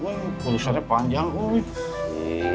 wih perusahaannya panjang wih